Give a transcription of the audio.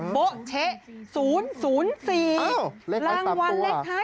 โป๊ะเช๊ะ๐๐๔รางวัลเลขท้าย